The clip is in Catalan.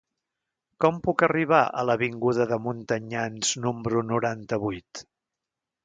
Com puc arribar a l'avinguda dels Montanyans número noranta-vuit?